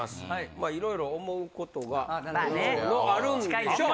まあ色々思うことがあるんでしょう。